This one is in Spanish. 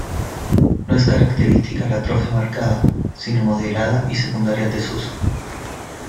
No es característica la atrofia marcada, sino moderada y secundaria al desuso.